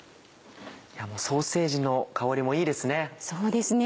ソーセージの香りもいいですね。